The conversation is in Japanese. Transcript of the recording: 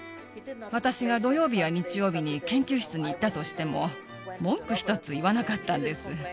私が土曜日や日曜日に研究室に行ったとしても、文句一つ言わなかったんです。